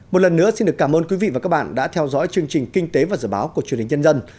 một lần nữa xin được cảm ơn quý vị và các bạn đã theo dõi chương trình kinh tế và dự báo của truyền hình nhân dân